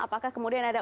apakah kemudian ada